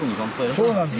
そうなんです